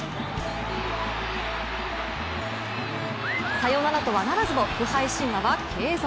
サヨナラとはならずも不敗神話は継続。